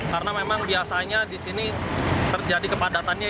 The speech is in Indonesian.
karena memang biasanya di sini terjadi kepadatannya